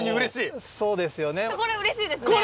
これうれしいですねできたら。